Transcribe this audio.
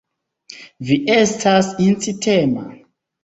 Vi estas incitema.